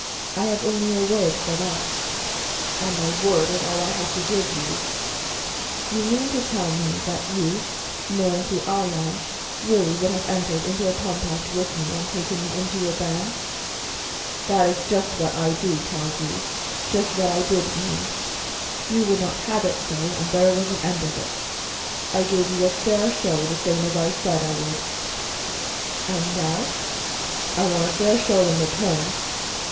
"I have only your word for that." "And my word is all I have to give you." "You mean to tell me that you, knowing who I am, really would have entered into a compact with me and taken me into your band?" "That is just what I do tell you just what I did mean. You would not have it so, and there was an end of it. I gave you a fair show, the same as I said I would." "And now?" "I want a fair show in return."